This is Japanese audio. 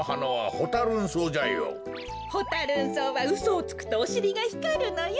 ホタ・ルン草はうそをつくとおしりがひかるのよ。